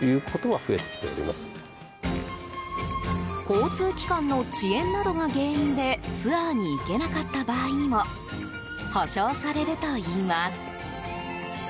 交通機関の遅延などが原因でツアーに行けなかった場合にも保証されるといいます。